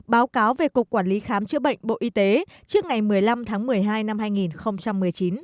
báo cáo về cục quản lý khám chữa bệnh bộ y tế trước ngày một mươi năm tháng một mươi hai năm hai nghìn một mươi chín